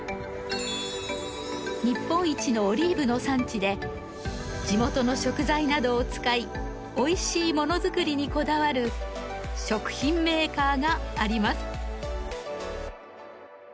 日本一のオリーブの産地で地元の食材などを使いおいしいものづくりにこだわる食品メーカーがあります。